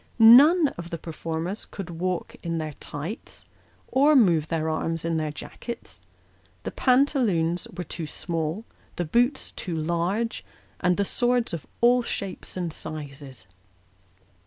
None of the performers could walk in their tights, or move their arms in their jackets ; the pantaloons were too small, the boots too large, and the swords of all shapes and sizes.